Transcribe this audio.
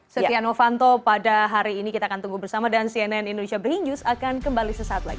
satyana vanto pada hari ini kita akan tunggu bersama dan cnn indonesia berhijus akan kembali sesaat lagi